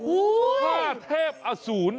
อู้ยห้าเทพอสูร